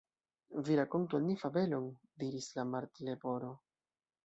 "Vi rakontu al ni fabelon," diris la Martleporo.